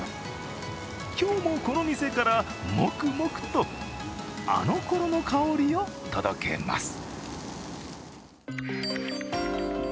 今日もこの店から、もくもくとあのころの香りを届けます。